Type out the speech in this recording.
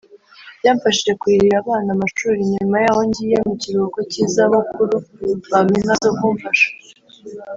Byamfashije kurihira abana amashuri nyuma y’aho ngiye mu kiruhuko cy’izabukuru bampa inka zo kumfasha